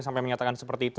sampai menyatakan seperti itu